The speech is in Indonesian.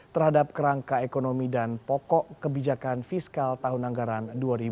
terhadap kerangka ekonomi dan pokok kebijakan fiskal tahun anggaran dua ribu dua puluh